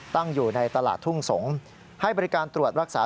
ตั้งอยู่ในตลาดทุ่งสงศ์ให้บริการตรวจรักษา